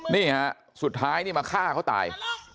นี่ฮะสุดท้ายนี่มาฆ่าเขาตาย